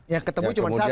yang ketemu cuma satu